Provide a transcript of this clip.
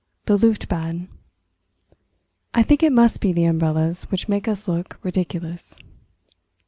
THE LUFT BAD I think it must be the umbrellas which make us look ridiculous.